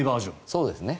そうですね。